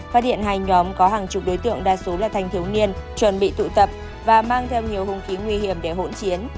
phát hiện hai nhóm có hàng chục đối tượng đa số là thanh thiếu niên chuẩn bị tụ tập và mang theo nhiều hung khí nguy hiểm để hỗn chiến